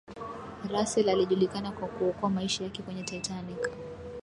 russell alijulikana kwa kuokoa maisha yake kwenye titanic